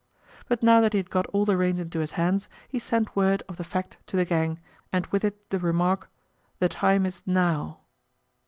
But now that he had got all the reins into his hands, he sent word of the fact to the gang, and with it the remark, "The time is NOW."